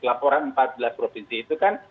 laporan empat belas provinsi itu kan